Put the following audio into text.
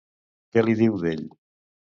Què li diu d'ell?